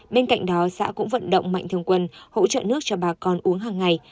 bên cạnh đó xã cũng vận động mạnh thường quân hỗ trợ nước cho bà con uống hàng ngày